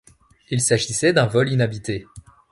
Il s'agissait d'un vol inhabité.